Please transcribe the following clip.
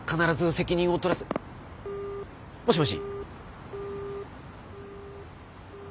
もしもし。